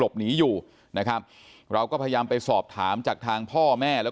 หนีอยู่นะครับเราก็พยายามไปสอบถามจากทางพ่อแม่แล้ว